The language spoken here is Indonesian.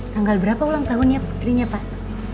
tanggal berapa ulang tahunnya putrinya pak